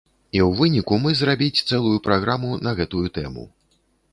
І ў выніку мы зрабіць цэлую праграму на гэтую тэму.